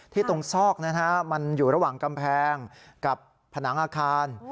ตรงซอกนะฮะมันอยู่ระหว่างกำแพงกับผนังอาคาร